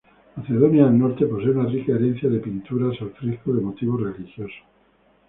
Macedonia del Norte posee una rica herencia de pinturas al fresco de motivos religiosos.